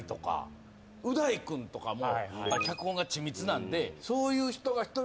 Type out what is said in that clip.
う大君とかも脚本が緻密なんでそういう人が一人いると。